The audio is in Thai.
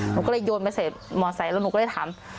หนูก็เลยโยนไปใส่มอไซค์แล้วหนูก็เลยถาม